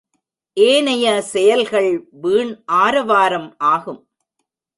ஏனைய செயல்கள் வீண் ஆரவாரம் ஆகும்.